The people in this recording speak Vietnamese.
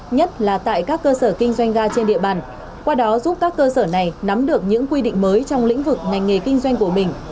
nhất là tại các cơ sở kinh doanh ga trên địa bàn qua đó giúp các cơ sở này nắm được những quy định mới trong lĩnh vực ngành nghề kinh doanh của mình